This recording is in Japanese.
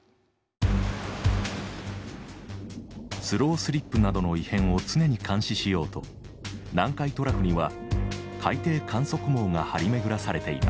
スロースリップなどの異変を常に監視しようと南海トラフには海底観測網が張り巡らされています。